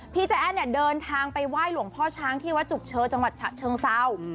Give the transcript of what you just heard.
พี่ใจแอนเดินทางไปไหว้หลวงพ่อช้างที่วัดจุกเชิงจังหวัดเชิงเซา